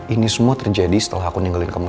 ini semua terjadi setelah aku ninggalin kamu